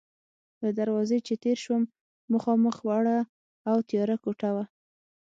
له دروازې چې تېر شوم، مخامخ وړه او تیاره کوټه وه.